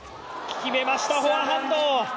決めました、フォアハンド。